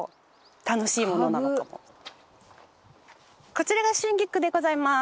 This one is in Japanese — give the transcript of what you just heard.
こちらが春菊でございます。